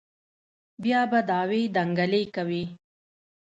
بيا به دعوې دنگلې وې.